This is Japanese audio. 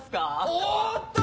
おっと！